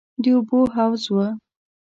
د اوبو حوض و.